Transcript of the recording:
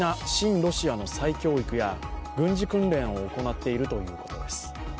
ロシアの再教育や軍事訓練を行っているということです。